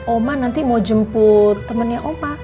oman nanti mau jemput temennya oma